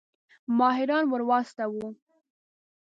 ماهران ورواستوو.